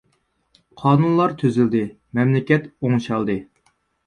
قانۇنلا تۈزۈلدى مەملىكەت ئوڭشالدى.